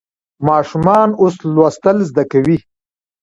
ماشومان اوس لوستل زده کوي.